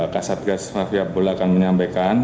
kak satgas mafia bola akan menyampaikan